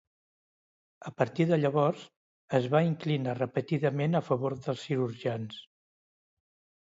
A partir de llavors, es va inclinar repetidament a favor dels cirurgians.